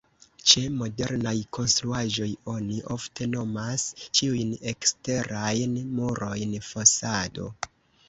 Ĉe modernaj konstruaĵoj oni ofte nomas ĉiujn eksterajn murojn fasado.